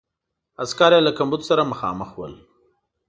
عسکر یې له کمبود سره مخامخ ول.